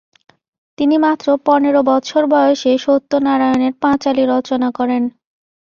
তিনি মাত্র পনেরো বছর বয়সে সত্যনারায়ণের পাঁচালী রচনা করেন।